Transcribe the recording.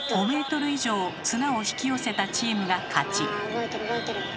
お動いてる動いてる。